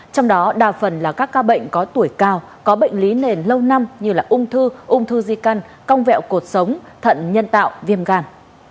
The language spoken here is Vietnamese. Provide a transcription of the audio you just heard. trong đó đa phần là các ca bệnh có tuổi cao có bệnh lý nền lâu năm như ung thư ung thư di căn cong vẹo cuộc sống thận nhân tạo viêm gan